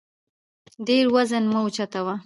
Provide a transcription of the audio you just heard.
ډېر وزن مه اوچتوه